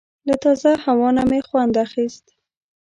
له تازه هوا نه مې خوند اخیست.